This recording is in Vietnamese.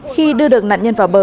khi đưa được nạn nhân vào bờ